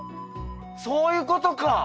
そういうことか！